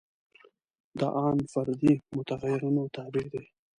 دا ان فردي متغیرونو تابع دي.